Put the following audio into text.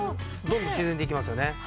どんどん沈んでいきますよね。